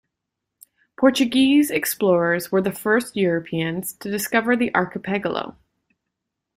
Portuguese explorers were the first Europeans to discover the archipelago.